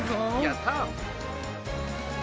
やった。